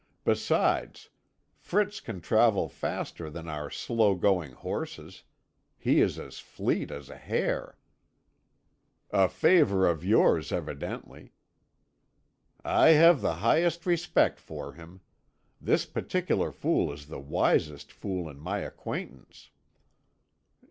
Besides, Fritz can travel faster than our slow going horses; he is as fleet as a hare." "A favourite of yours, evidently." "I have the highest respect for him. This particular fool is the wisest fool in my acquaintance."